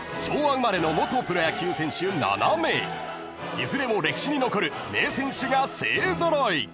［いずれも歴史に残る名選手が勢揃い］